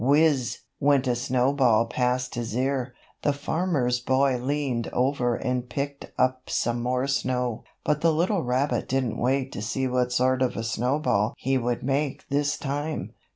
Whiz! went a snowball past his ear. The Farmer's Boy leaned over and picked up some more snow. But the little rabbit didn't wait to see what sort of a snowball he would make this time.